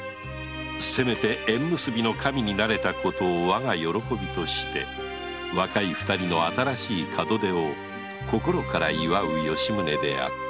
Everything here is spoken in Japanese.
縁結びの神になれたことをわが喜びとして若い二人の新しい門出を心から祝う吉宗であった